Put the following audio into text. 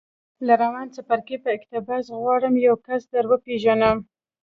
له روان څپرکي په اقتباس غواړم یو کس در وپېژنم